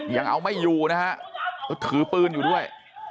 ยังเอาไม่อยู่นะฮะก็ถือปืนอยู่ด้วย